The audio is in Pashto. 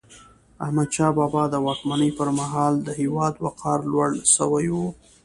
احمدشاه بابا د واکمني پر مهال د هیواد وقار لوړ سوی و.